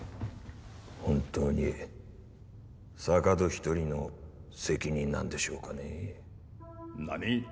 本当に坂戸一人の責任なんでしょうかねえ何？